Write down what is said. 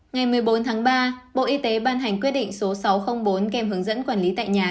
ngày một mươi bốn tháng ba bộ y tế ban hành quyết định số sáu trăm linh bốn kem hướng dẫn quản lý tại nhà